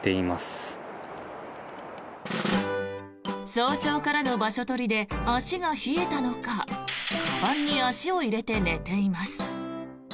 早朝からの場所取りで足が冷えたのかかばんに足を入れて寝ています。